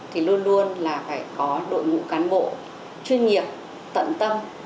thì luôn luôn là phải có đội ngũ cán bộ chuyên nghiệp tận tâm